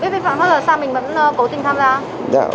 vi phạm pháp luật sao